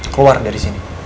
keluar dari sini